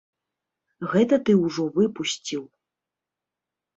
Гэта ты ўжо выпусціў.